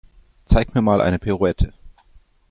Zeig mir mal eine Pirouette.